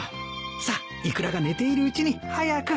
さあイクラが寝ているうちに早く。